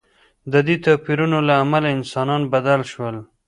د دې توپیرونو له امله انسانان بدل شول.